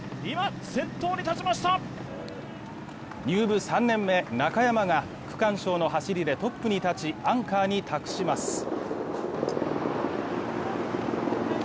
入部３年目、中山が区間賞の走りでトップに立ち、アンカーに託します。